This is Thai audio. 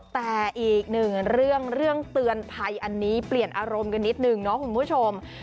แต่อีกหนึ่งเรื่องเรื่องเตือนภัยอันนี้เปลี่ยนอารมณ์กันนิดนึงเนาะคุณผู้ชม